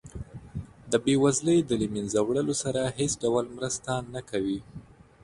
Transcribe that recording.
د بیوزلۍ د له مینځه وړلو سره هیڅ ډول مرسته نه کوي.